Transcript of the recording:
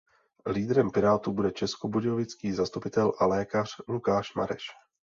Lídrem Pirátů bude českobudějovický zastupitel a lékař Lukáš Mareš.